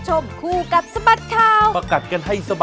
สวัสดีครับ